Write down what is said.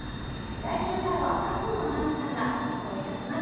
来週からは勝野アナウンサーが担当いたします。